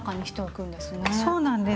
そうなんです。